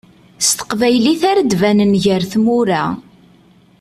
S teqbaylit ara d-banen gar tmura.